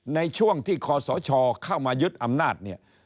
ในช่วงที่คศเข้ามายึดอำนาจเนี่ย